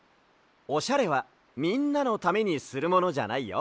オシャレはみんなのためにするものじゃないよ。